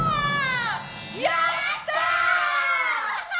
やった！